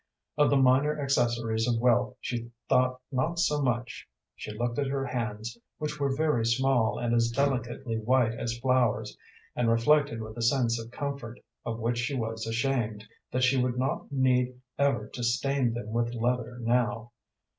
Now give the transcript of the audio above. Of the minor accessories of wealth she thought not so much. She looked at her hands, which were very small and as delicately white as flowers, and reflected with a sense of comfort, of which she was ashamed, that she would not need ever to stain them with leather now.